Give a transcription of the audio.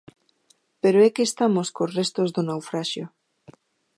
Pero é que estamos cos restos do naufraxio.